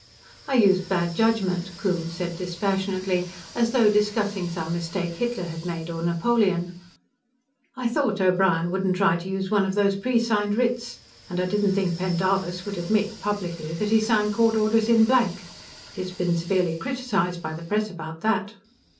"I used bad judgment," Coombes said dispassionately, as though discussing some mistake Hitler had made, or Napoleon. "I thought O'Brien wouldn't try to use one of those presigned writs, and I didn't think Pendarvis would admit, publicly, that he signed court orders in blank. He's been severely criticized by the press about that."